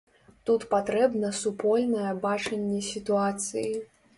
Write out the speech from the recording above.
Тут патрэбна супольнае бачанне сітуацыі.